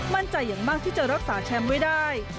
มั่นใจอย่างบ้างที่จะรักษาแชมป์ไว้ได้